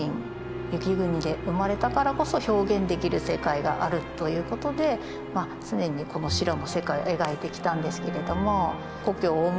雪国で生まれたからこそ表現できる世界があるということで常にこの白の世界を描いてきたんですけれども。